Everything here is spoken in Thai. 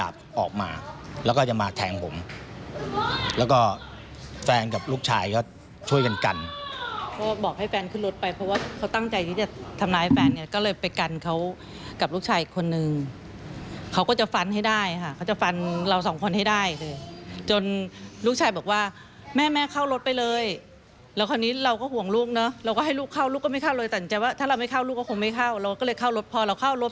บ้าเจ็บด้วยนะครับ